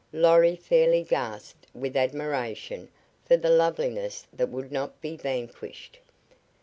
Lorry fairly gasped with admiration for the loveliness that would not be vanquished.